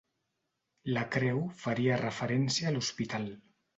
La creu faria referència a l'hospital.